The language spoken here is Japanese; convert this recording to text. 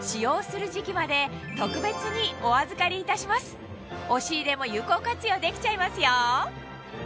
ここで本日の押し入れも有効活用できちゃいますよ